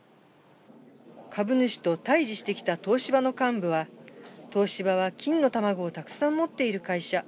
株主と対峙してきた東芝の幹部は東芝は金の卵をたくさん持っている会社。